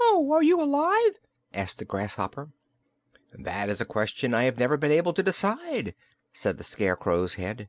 "Oh! are you alive?" asked the grasshopper. "That is a question I have never been able to decide," said the Scarecrow's head.